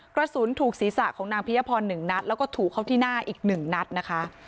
กระสุนถูกศีรษะของนางพิยพร๑นัดแล้วก็ถูกเข้าที่หน้าอีก๑นัดนะคะ